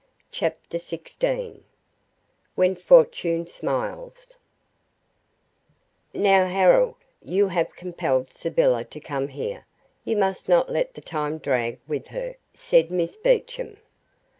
CHAPTER SIXTEEN When Fortune Smiles "Now, Harold, you have compelled Sybylla to come here, you must not let the time drag with her," said Miss Beecham.